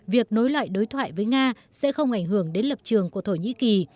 việc nối lại đối thoại với nga sẽ không ảnh hưởng đến lập trường của thổ nhĩ kỳ